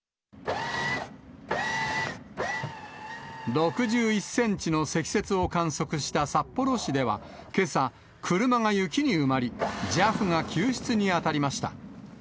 ６１センチの積雪を観測した札幌市では、けさ、車が雪に埋まり、ＪＡＦが救出に当たりました。